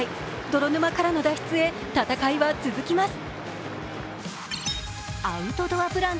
泥沼からの脱出へ戦いは続きます。